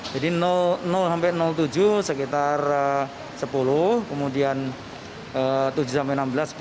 jadi sampai tujuh sekitar sepuluh kemudian tujuh sampai enam belas sepuluh